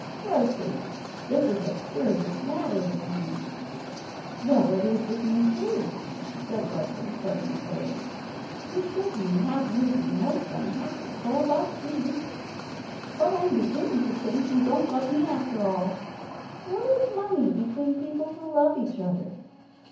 "Leslie, this is a serious matter with me " "Well, it is with me, too," said Leslie, suddenly grave. "You certainly have made me most unhappy for about three weeks. But I'm beginning to think you don't love me after all. What is money between people who love each other?